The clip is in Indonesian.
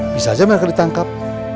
bisa aja mereka ditangkap